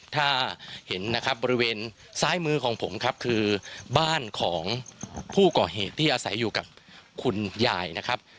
ถ้าเห็นนะครับบริเวณซ้ายมือของผมครับคือบ้านของผู้ก่อเหตุที่อาศัยอยู่กับคุณยายนะครับ